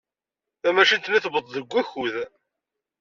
Tamacint-nni tuweḍ-d deg wakud.